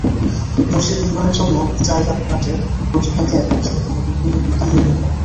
মসজিদ নির্মাণের জন্য জায়গা ভরাটের অজুহাতে এখন সেখানে বিপণিবিতান নির্মাণ করা হচ্ছে।